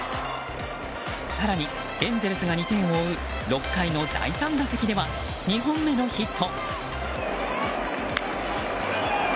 更に、エンゼルスが２点を追う６回の第３打席では２本目のヒット。